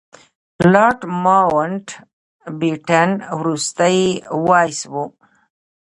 لارډ ماونټ بیټن وروستی وایسराय و.